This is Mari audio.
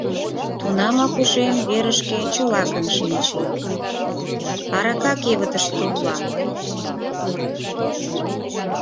Тунамак ушем верышке чолакын шинче: арака кевытыште улам!